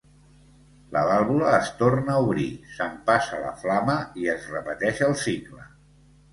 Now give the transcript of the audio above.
La vàlvula es torna a obrir, s'empassa la flama i es repeteix el cicle.